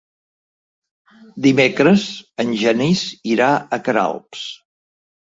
Dimecres en Genís irà a Queralbs.